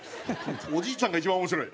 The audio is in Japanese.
おじいちゃんが一番面白い。